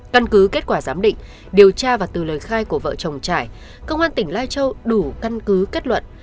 căn cứ kết quả giám định điều tra và từ lời khai của vợ chồng trải công an tỉnh lai châu đủ căn cứ kết luận